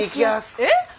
えっ？